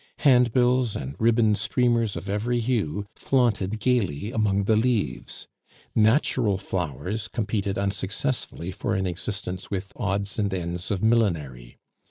Handbills and ribbon streamers of every hue flaunted gaily among the leaves; natural flowers competed unsuccessfully for an existence with odds and ends of millinery.